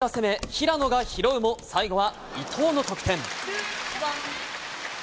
伊藤が攻め、平野が拾うも最後は伊藤の得点。